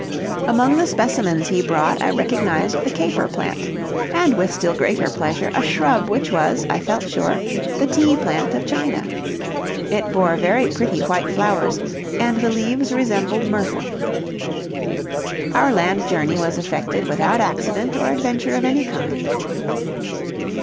Among the specimens he brought I recognized the caper plant, and, with still greater pleasure, a shrub which was, I felt sure, the tea plant of China it bore very pretty white flowers, and the leaves resembled myrtle. Our land journey was effected without accident or adventure of any kind.